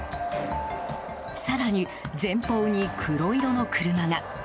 更に前方に黒色の車が。